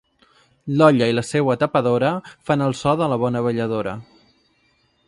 L'olla i la seua tapadora fan el so de la bona balladora.